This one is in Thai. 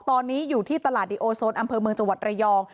ตอนนี้อยู่ที่ตลาดดิโอโซนอำเภอเมืองจังหวัดระยอง